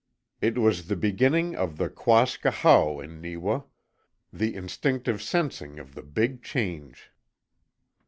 It was the beginning of the KWASKA HAO in Neewa the instinctive sensing of the Big Change.